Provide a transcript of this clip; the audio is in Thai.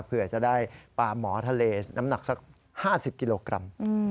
เผื่อจะได้ปลาหมอทะเลน้ำหนักสัก๕๐กิโลกรัม